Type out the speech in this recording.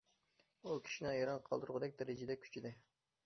ئۇ كىشىنى ھەيران قالدۇرغۇدەك دەرىجىدە كۈچىدى.